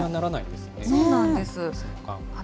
そうなんです。